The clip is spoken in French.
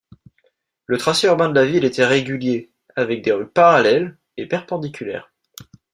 Le tracé urbain de la ville était régulier avec des rues parallèles et perpendiculaires.